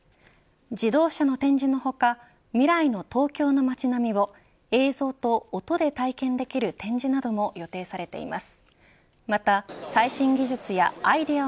自動車の展示の他未来の東京の街並みを映像と音で体験できる展示なども予定されています。